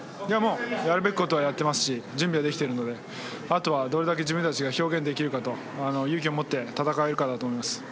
やるべきことはやっていますし準備はできているのであとはどれだけ自分たちが表現できるかと勇気を持って戦えるかだと思います。